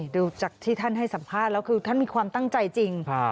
ดูจากที่ท่านให้สัมภาษณ์แล้วคือท่านมีความตั้งใจจริง